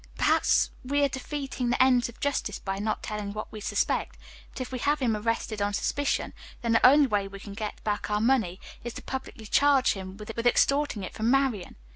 Perhaps we are defeating the ends of justice by not telling what we suspect, but if we have him arrested on suspicion, then the only way we can get back our money is to publicly charge him with extorting it from Marian.